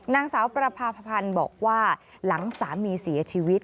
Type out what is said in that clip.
นางสาวประพาพพันธ์บอกว่าหลังสามีเสียชีวิต